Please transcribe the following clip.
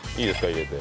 入れて。